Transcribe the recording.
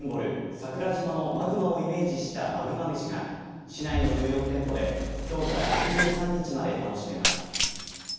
桜島のマグマをイメージしたマグマ飯が市内の１４店舗で、きょうから２３日まで楽しめます。